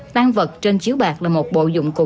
tan vật trên chiếu bạc là một bộ dụng cụ